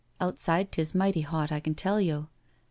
Outside 'tis mighty hot, I can tell yo*.